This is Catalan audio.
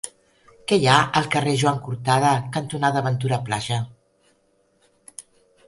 Què hi ha al carrer Joan Cortada cantonada Ventura Plaja?